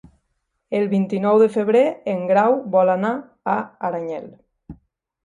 El vint-i-nou de febrer en Grau vol anar a Aranyel.